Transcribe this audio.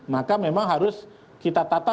maka memang harus kita tata